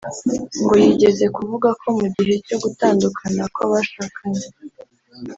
ngo yigeze kuvuga ko mu gihe cyo gutandukana kw’abashakanye